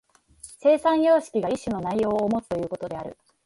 生産様式が一種の内容をもつということである。